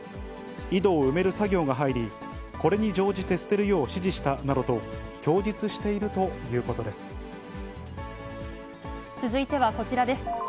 井戸を埋める作業が入り、これに乗じて捨てるよう指示したなどと、続いてはこちらです。